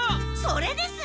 それです！